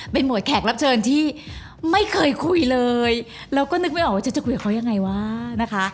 เป็นหวดแขกรับเชิญที่ไม่เคยคุยเลยแล้วก็นึกไม่ออกว่าจะคุยกับเขายังไงวะนะคะ